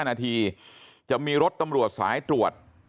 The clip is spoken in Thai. นาทีจะมีรถตำรวจสายตรวจ